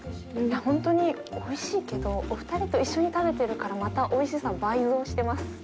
本当においしいけどお二人と一緒に食べてるからまたおいしさが倍増してます。